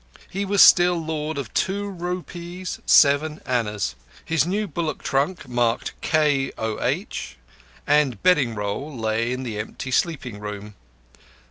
He was still lord of two rupees seven annas. His new bullock trunk, marked "K. O'H.", and bedding roll lay in the empty sleeping room.